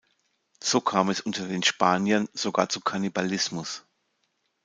So kam es unter den Spaniern sogar zu Kannibalismus.